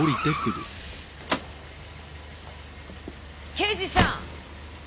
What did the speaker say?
刑事さん！